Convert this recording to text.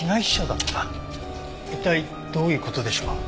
一体どういう事でしょう？